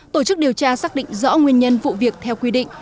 tổ chức điều tra xác định rõ nguyên nhân vụ việc theo quy định